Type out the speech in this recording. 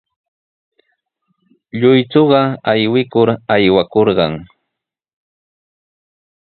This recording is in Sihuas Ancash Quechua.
Lluychuqa aywikur aywakurqan.